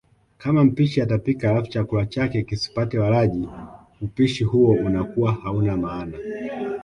Kama mpishi atapika alafu chakula chake kisipate walaji, hupishi huo unakuwa hauna maana.